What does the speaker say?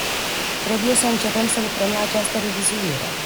Trebuie să începem să lucrăm la această revizuire.